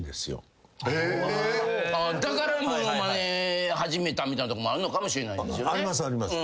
だからものまね始めたみたいなとこもあるのかもしれないですよね。